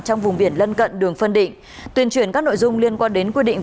trong vùng biển lân cận đường phân định tuyên truyền các nội dung liên quan đến quy định